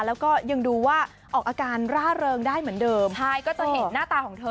แล้วก็ยังดูว่าออกอาการร่าเริงได้เหมือนเดิมใช่ก็จะเห็นหน้าตาของเธอ